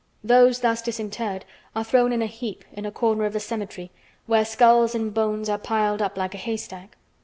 Those thus disinterred are thrown in a heap in a corner of the cemetery, where skulls and bones are piled up like a haystack.